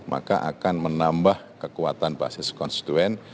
maka akan menambah kekuatan basis konstituen